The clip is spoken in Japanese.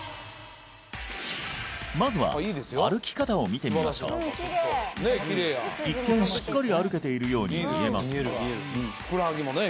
まずは歩き方を見てみましょう一見しっかり歩けているように見えますがふくらはぎもね